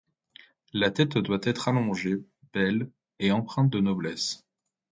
La tête doit être allongée, belle et empreinte de noblesse.